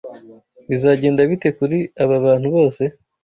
Bizagenda bite kuri aba bantu bose?